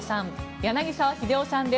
柳澤秀夫さんです。